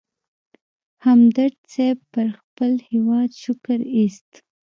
همدرد صیب پر خپل هېواد شکر اېست.